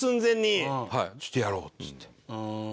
そして「やろう」っつって。